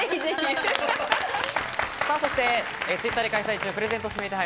そしてＴｗｉｔｔｅｒで開催中、プレゼント指名手配。